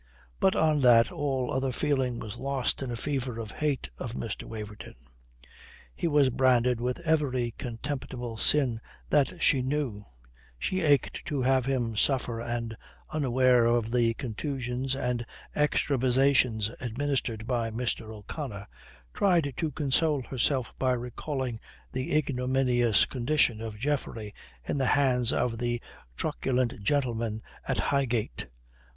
But on that all other feeling was lost in a fever of hate of Mr. Waverton. He was branded with every contemptible sin that she knew, she ached to have him suffer, and (unaware of the contusions and extravasations administered by Mr. O'Connor) tried to console herself by recalling the ignominious condition of Geoffrey in the hands of the truculent gentlemen at Highgate.